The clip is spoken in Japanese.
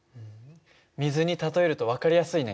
水に例えると分かりやすいね。